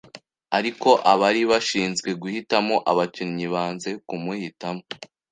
ariko abari bashinzweguhitamo abakinnyi banze kumuhitamo